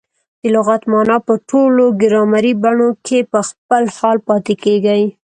د لغت مانا په ټولو ګرامري بڼو کښي په خپل حال پاته کیږي.